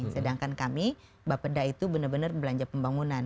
sedangkan kami bapeda itu benar benar belanja pembangunan